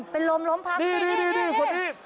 เป็นลมพัก